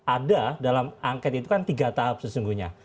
ada dalam angket itu kan tiga tahap sesungguhnya